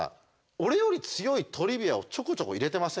俺より強いトリビアをちょこちょこ入れてませんか？